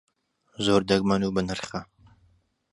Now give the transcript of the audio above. زۆر دەگمەن و بەنرخە.